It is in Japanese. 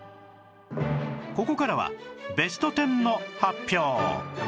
ここからはベスト１０の発表